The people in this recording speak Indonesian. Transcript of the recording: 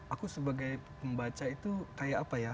aku sebagai pembaca itu kayak apa ya